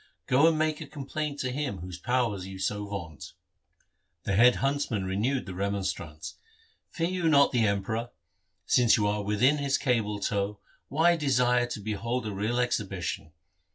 Go and make a complaint to him whose power you so vaunt.' The head huntsman renewed the remonstrance. ' Fear you not the Emperor ? Since you are within his cable tow, why desire to behold a real exhibition